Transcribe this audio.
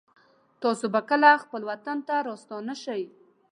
تاسو به کله خپل وطن ته راستانه شئ